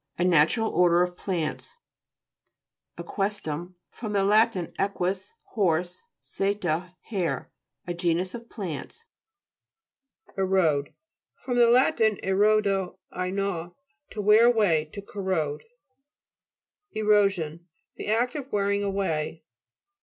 A natural order of plants. EQ.UISE'TUM fr. lat. eguus, horse, seta, hair. A genus of plants. ERO'DE fr. lat. erodo, I gnaw. To wear away, to corrode. ERO'SION The act of wearing away.